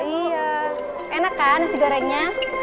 iya enak kan nasi gorengnya